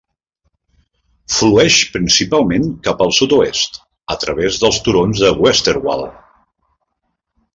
Flueix principalment cap al sud-oest, a través dels turons de Westerwald.